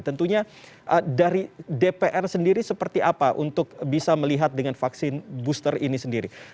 tentunya dari dpr sendiri seperti apa untuk bisa melihat dengan vaksin booster ini sendiri